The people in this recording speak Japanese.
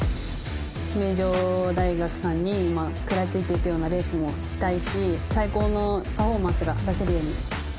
明星大学に食らいつくレースにしたいし最高のパフォーマンスが出せるように。